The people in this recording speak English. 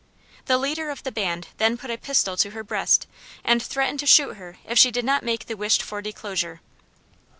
The leader of the band then put a pistol to her breast, and threatened to shoot her if she did not make the wished for disclosure.